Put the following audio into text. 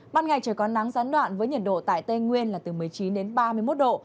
ban ngày trời có nắng gián đoạn với nhiệt độ tại tây nguyên là từ một mươi chín đến ba mươi một độ